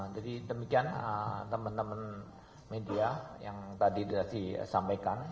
jadi demikian teman teman media yang tadi sudah disampaikan